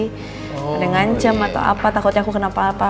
ada yang ngancam atau apa takutnya aku kena apa apa